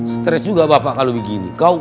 stres juga bapak kalau begini